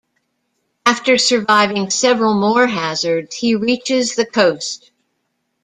After surviving several more hazards, he reaches the coast.